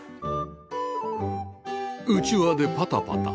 うちわでパタパタ